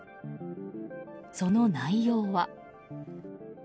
その内容は。